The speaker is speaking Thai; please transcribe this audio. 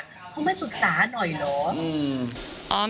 เขาไม่ปรึกษาหน่อยเหรอ